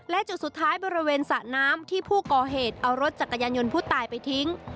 และจุดสุดท้ายบริเวณสระน้ำที่ผู้ก่อเหตุเอารถจักรยานยนต์ผู้ตายไปทิ้ง